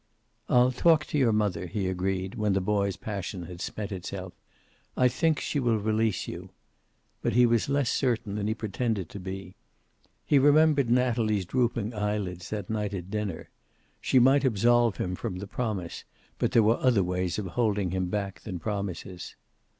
"I'll talk to your mother," he agreed, when the boy's passion had spent itself. "I think she will release you." But he was less certain than he pretended to be. He remembered Natalie's drooping eyelids that night at dinner. She might absolve him from the promise, but there were other ways of holding him back than promises.